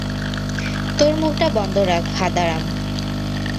তোর মুখটা বন্ধ রাখ, হাঁদারাম!